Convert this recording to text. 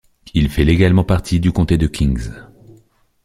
Il fait légalement partie du comté de Kings.